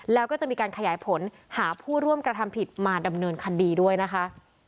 แล้วก็จะมีการขยายผลหาผู้ร่วมกระทำผิดมาดำเนินคดีด้วยนะคะ